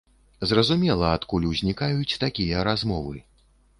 Зразумела, адкуль узнікаюць такія размовы.